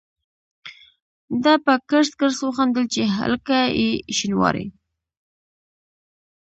ده په کړس کړس وخندل چې هلکه یې شینواری.